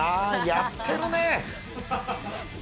やってるね。